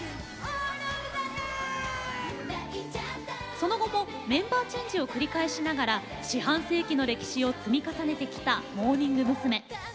その後もメンバーチェンジを繰り返しながら四半世紀の歴史を積み重ねてきたモーニング娘。